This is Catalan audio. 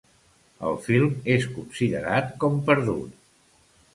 El film és considerat com perdut.